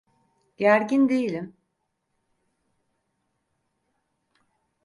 Gergin değilim.